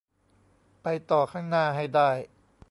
ไปต่อข้างหน้าให้ได้